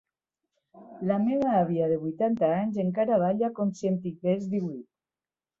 La meva àvia de huitanta anys encara balla com si en tingués díhuit.